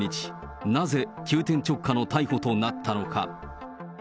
なぜ急転直下の逮捕となったのか。